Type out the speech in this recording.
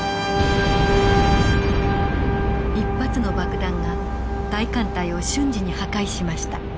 １発の爆弾が大艦隊を瞬時に破壊しました。